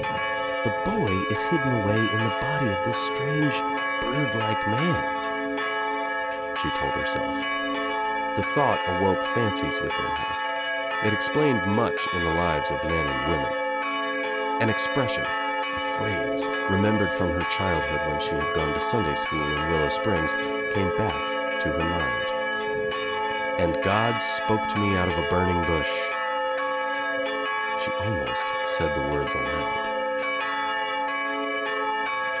"The boy is hidden away in the body of this strange bird like man," she told herself. The thought awoke fancies within her. It explained much m the lives of men and women. An expression, a phrase, remembered from her childhood when she had gone to Sunday School in Willow Springs, came back to her mind. "And God spoke to me out of a burning bush." She almost said the words aloud.